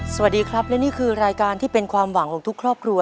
สวัสดีครับและนี่คือรายการที่เป็นความหวังของทุกครอบครัว